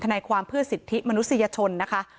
นายความเพื่อสิทธิมนุษยชนนะคะ